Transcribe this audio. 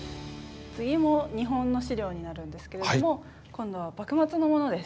次も日本の資料になるんですけれども今度は幕末のものです。